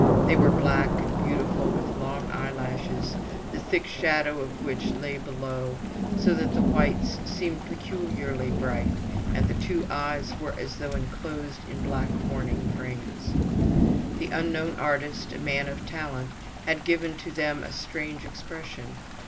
They were black and beautiful, with long eyelashes, the thick shadow of which lay below, so that the whites seemed peculiarly bright, and the two eyes were as though enclosed in black mourning frames. The unknown artist, a man of talent, had given to them a strange expression.